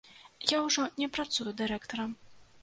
Я ўжо не працую дырэктарам.